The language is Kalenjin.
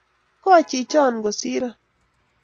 Koi chichon kosiron